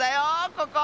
ここ！